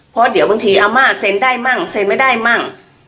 เพราะเดี๋ยวบางทีอาม่าเซ็นได้มั่งเซ็นไม่ได้มั่ง